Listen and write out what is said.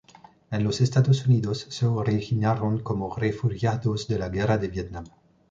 En los Estados Unidos se originaron como refugiados de la guerra de Vietnam.